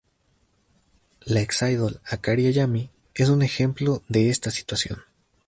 La ex-idol Akari Hayami es un ejemplo de está situación.